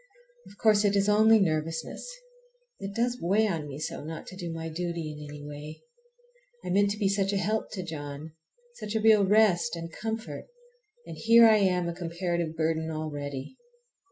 Of course it is only nervousness. It does weigh on me so not to do my duty in any way! I meant to be such a help to John, such a real rest and comfort, and here I am a comparative burden already!